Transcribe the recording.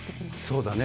そうだね。